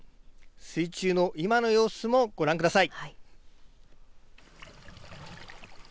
水中の今の様子もご覧ください。